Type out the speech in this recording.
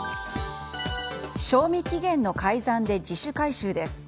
賞味期限の改ざんで自主回収です。